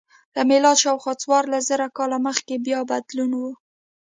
له میلاده شاوخوا څوارلس زره کاله مخکې بیا بدلون و